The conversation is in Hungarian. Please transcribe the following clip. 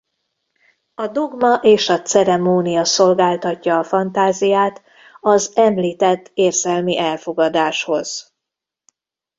A dogma és a ceremónia szolgáltatja a fantáziát az említett érzelmi elfogadáshoz.